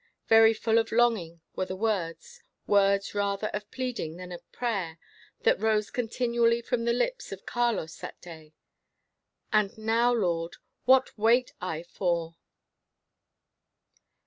Very full of longing were the words words rather of pleading than of prayer that rose continually from the lips of Carlos that day, "And now, Lord, _what wait I for?